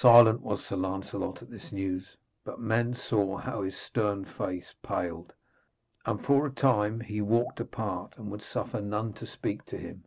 Silent was Sir Lancelot at this news, but men saw how his stern face paled; and for a time he walked apart and would suffer none to speak to him.